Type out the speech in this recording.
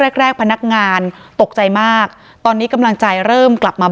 แรกแรกพนักงานตกใจมากตอนนี้กำลังใจเริ่มกลับมา